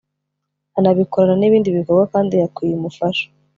Anabikorana n’ibindi bikorwa kandi hakwiye umufasha